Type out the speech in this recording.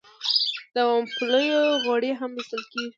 د ممپلیو غوړي هم ایستل کیږي.